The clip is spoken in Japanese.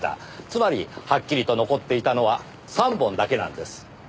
つまりはっきりと残っていたのは３本だけなんです。